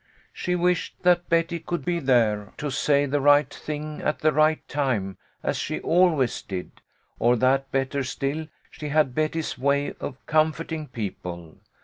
She wished that Betty could be there to say the right thing at the right time, as she always did, or that, better still, she had Betty's way of comforting people.